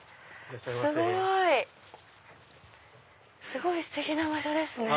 すごいステキな場所ですね。